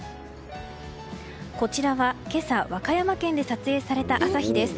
こちらは今朝和歌山県で撮影された朝日です。